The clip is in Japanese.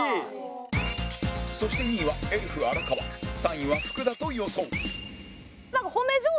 そして２位はエルフ荒川３位は福田と予想